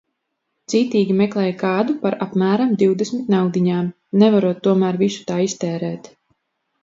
Cītīgi meklēja kādu par apmēram divdesmit naudiņām, nevarot tomēr visu tā iztērēt.